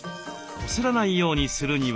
こすらないようにするには。